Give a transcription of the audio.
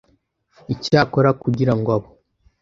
Icyakora kugira ngo abo